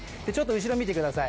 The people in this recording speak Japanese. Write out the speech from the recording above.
後ろを見てください。